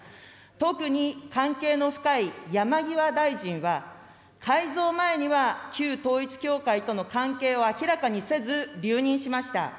特に関係の深い山際大臣は、改造前には旧統一教会との関係を明らかにせず、留任しました。